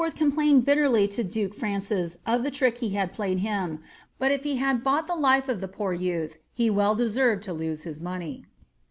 com plained bitterly to duke Francis of the trick he had played him, but if he iiad bought the life of the poor youth he well deserved to lose his money.